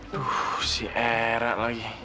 aduh si erak lagi